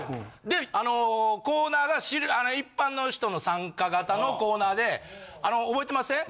であのコーナーが一般の人の参加型のコーナーであの覚えてません？